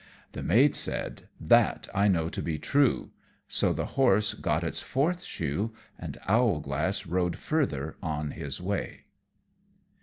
The Maid said, "That I know to be true." So the horse got its fourth shoe, and Owlglass rode further on his way.